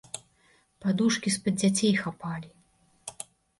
Падушкі з-пад дзяцей хапалі.